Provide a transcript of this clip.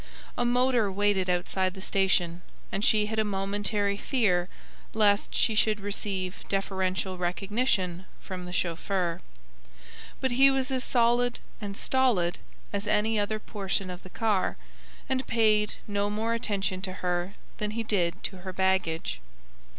A motor waited outside the station, and she had a momentary fear lest she should receive deferential recognition from the chauffeur. But he was as solid and stolid as any other portion of the car, and paid no more attention to her than he did to her baggage.